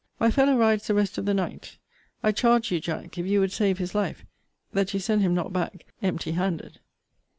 My fellow rides the rest of the night. I charge you, Jack, if you would save his life, that you send him not back empty handed.